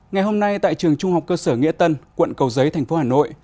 ngày hôm nay tại trường trung học cơ sở nghĩa tân quận cầu giấy tp hcm